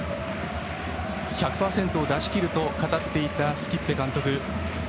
１００％を出し切ると語っていたスキッベ監督。